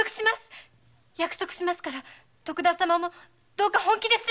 約束しますから徳田様もどうか本気で調べてください！